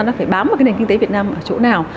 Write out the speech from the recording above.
nó phải bám vào cái nền kinh tế việt nam ở chỗ nào